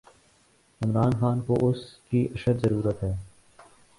عمران خان کواس کی اشدضرورت ہے۔